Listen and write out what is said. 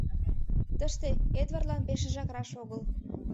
Тыште Эдвардлан пешыжак раш огыл.